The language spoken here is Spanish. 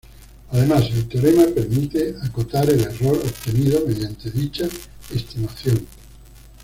Además el teorema permite acotar el error obtenido mediante dicha estimación.